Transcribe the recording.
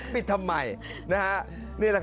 ปิดทำไม